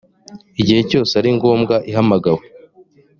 igihe cyose ari ngombwa ihamagawe